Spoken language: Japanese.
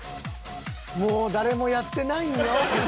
もう誰もやってないんよ？